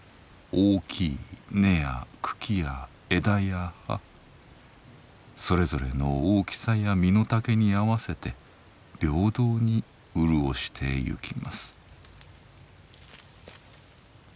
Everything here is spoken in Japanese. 大きい根や茎や枝や葉それぞれの大きさや身の丈に合わせて平等に潤してゆきます。